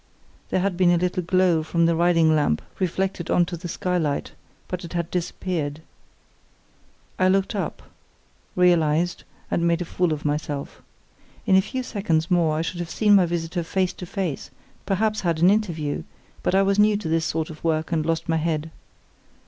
There had been a little glow from the riding lamp reflected on to the skylight, but it had disappeared. I looked up, realised, and made a fool of myself. In a few seconds more I should have seen my visitor face to face, perhaps had an interview: but I was new to this sort of work and lost my head.